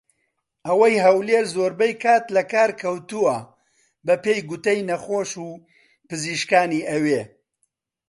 ئەوەی هەولێر زۆربەی کات لە کار کەوتووە بە پێی گوتەی نەخۆش و پزیشکانی ئەوێ